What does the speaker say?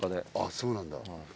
そうなんだ。